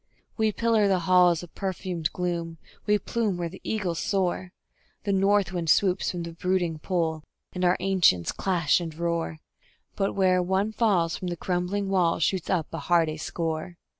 We pillar the halls of perfumed gloom; we plume where the eagles soar; The North wind swoops from the brooding Pole, and our ancients crash and roar; But where one falls from the crumbling walls shoots up a hardy score.